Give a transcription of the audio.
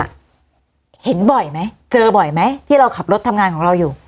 ตัวคุณโสโพนอ่ะเห็นบ่อยไหมเจอบ่อยไหมที่เราขับรถทำงานของเราอยู่